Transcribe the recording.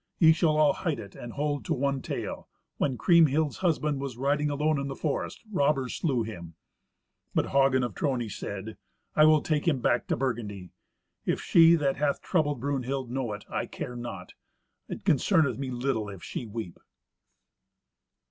Ye shall all hide it, and hold to one tale—when Kriemhild's husband was riding alone in the forest, robbers slew him." But Hagen of Trony said, "I will take him back to Burgundy. If she that hath troubled Brunhild know it, I care not. It concerneth me little if she weep."